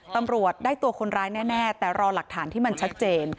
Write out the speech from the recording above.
ตำรวจได้ตัวคนร้ายแน่แต่รอหลักฐานที่มันชัดเจน